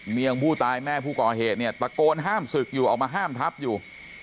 เมียงผู้ตายแม่ผู้ก่อเหตุเนี่ยตะโกนห้ามศึกอยู่ออกมาห้ามทับอยู่